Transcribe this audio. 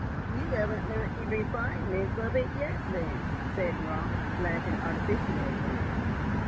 "You haven't learnt the refinements of it yet then," said Raut, laughing artificially again.